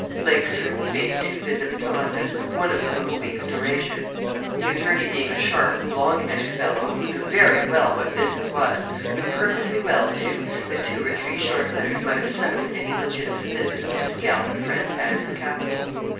Lake certainly made two visits to London, one of them of a week's duration. The attorney being a sharp, long headed fellow, who knew very well what business was, knew perfectly well, too, that two or three short letters might have settled any legitimate business which his gallant friend had in the capital.